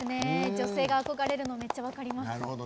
女性が憧れるのめっちゃ分かります。